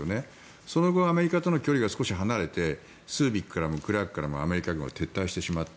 その後アメリカとの距離が少し離れてスービックからもクラークからもアメリカ軍は撤退してしまった。